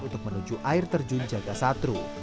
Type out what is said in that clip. untuk menuju air terjun jaga satru